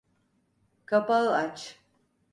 Kapağı aç.